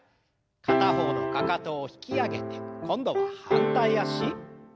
片方のかかとを引き上げて今度は反対脚。